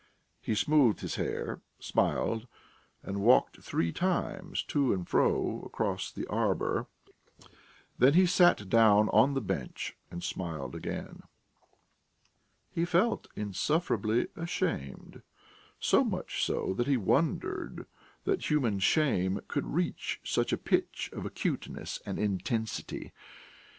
He smoothed his hair, smiled, and walked three times to and fro across the arbour, then he sat down on the bench and smiled again. He felt insufferably ashamed, so much so that he wondered that human shame could reach such a pitch of acuteness and intensity.